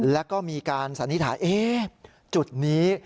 แล้วก็มีการสันนิษฐานจุดนี้